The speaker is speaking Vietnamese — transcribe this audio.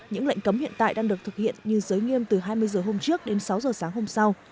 những lệnh cấm hiện tại đang được thực hiện như giới nghiêm từ hai mươi h hôm trước đến sáu h sáng hôm sau